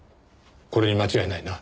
これに間違いないな？